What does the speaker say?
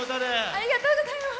ありがとうございます。